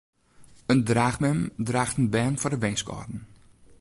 In draachmem draacht in bern foar de winskâlden.